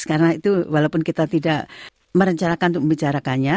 karena itu walaupun kita tidak merencanakan untuk membicarakannya